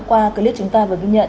qua clip chúng ta vừa ghi nhận